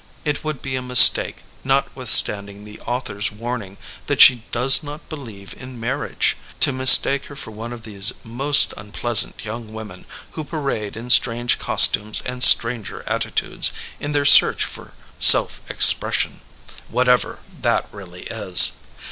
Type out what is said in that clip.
It would be a mistake, notwithstanding the author's warning that she ''does not believe in marriage," to 94 CHARACTERIZATION vs. SITUATION mistake her for one of these most unpleasant young women who parade in strange costumes and stranger attitudes, in their search for '* self expression," whatever that really is.